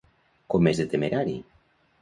Com és de temerari?